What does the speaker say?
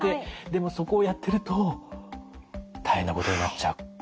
でもそこをやってると大変なことになっちゃう。